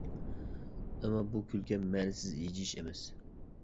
ئەمما بۇ كۈلكە مەنىسىز ھىجىيىش ئەمەس.